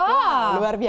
wah luar biasa